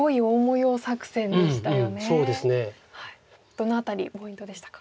どの辺りポイントでしたか？